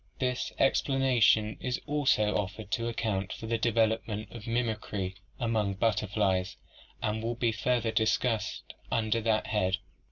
This explanation is also offered to account for the development of mimicry among butterflies and will be further discussed under that head (page 246).